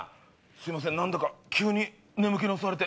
すいません何だか急に眠気に襲われて。